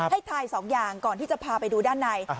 ให้ถ่ายสองอย่างก่อนที่จะพาไปดูด้านใน